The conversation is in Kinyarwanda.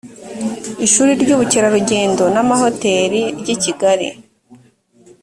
ishuri ry’ubukerarugendo n’amahoteli ry’i kigali